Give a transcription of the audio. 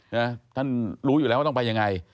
ท่านรู้อยู่แล้วว่าต้องไปยังไง